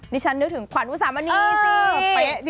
นี่ฉันนึกถึงขวัญอุตสามณีสิ